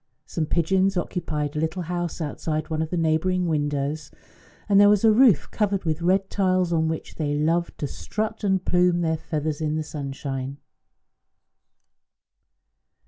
Some pigeons occupied a little house outside one of the neighbouring windows, and there was a roof covered with red tiles on which they loved to strut and plume their feathers in the sunshine.